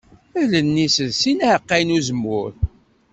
Allen-is d sin n yiɛeqqayen n uzemmur.